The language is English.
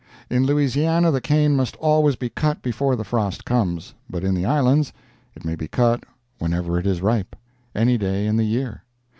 In Louisiana the cane must always be cut before the frost comes, but in the Islands it may be cut whenever it is ripe—any day in the year.